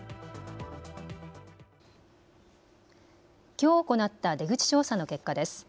きょう行った出口調査の結果です。